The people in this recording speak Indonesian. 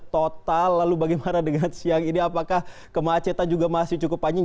total lalu bagaimana dengan siang ini apakah kemacetan juga masih cukup panjang